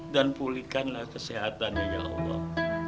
dan pulihkanlah kesehatannya ya allah